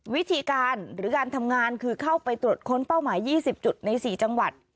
วิธีการหรือการทำงานคือเข้าไปตรวจค้นเป้าหมาย๒๐จุดใน๔จังหวัด